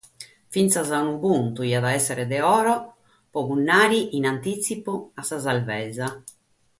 Fintzas unu puntu diat èssere de oro pro punnare in antìtzipu a sa sarvesa.